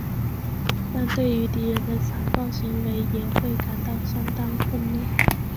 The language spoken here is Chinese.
但对于敌人的残暴行为也会感到相当愤怒。